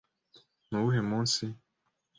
Nuwuhe munsi?